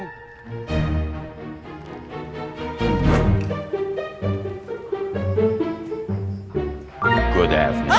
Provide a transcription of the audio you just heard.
makin di tengah jalan juga